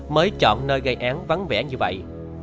mới chọn nơi gây án vắng vẻ như vậy